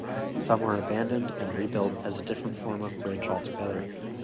Some were abandoned and rebuilt as a different form of bridge altogether.